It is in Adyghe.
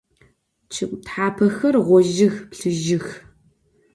Ççıg thapexer ğojıx, plhıjıx.